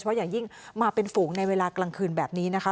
เพราะอย่างยิ่งมาเป็นฝูงในเวลากลางคืนแบบนี้นะคะ